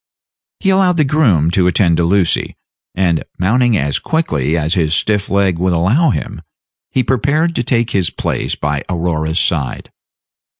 He allowed the groom to attend to Lucy, and, mounting as quickly as his stiff leg would allow him, he prepared to take his place by Aurora's side.